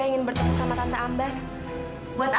hobbies untuk diri kita